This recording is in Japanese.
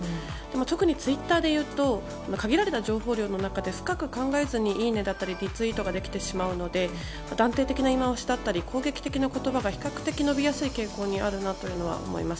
特にツイッターでいうと限られた情報の中で深く考えずにいいねだったり、リツイートができてしまったりするので断定的な言い回しだったり攻撃的な言葉が比較的伸びやすい傾向にあるなというのは思います。